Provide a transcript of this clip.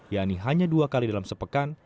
yang ini hanya dua kali dalam sepekan